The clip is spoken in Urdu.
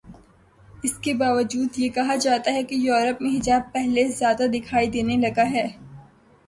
اس کے باوجود یہ کہا جاتاہے کہ یورپ میں حجاب پہلے سے زیادہ دکھائی دینے لگا ہے۔